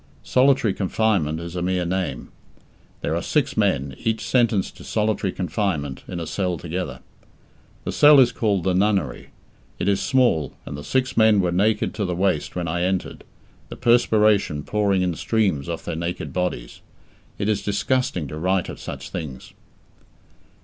"Solitary confinement" is a mere name. There are six men, each sentenced to solitary confinement, in a cell together. The cell is called the "nunnery". It is small, and the six men were naked to the waist when I entered, the perspiration pouring in streams off their naked bodies! It is disgusting to write of such things.